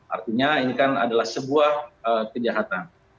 artinya ini kan adalah sebuah kejahatan